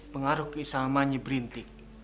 pengaruh kris amanya berintik